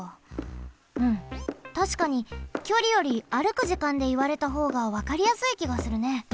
うんたしかにきょりより歩く時間でいわれたほうがわかりやすいきがするね。